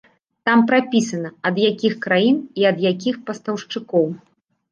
Там прапісана, ад якіх краін і ад якіх пастаўшчыкоў.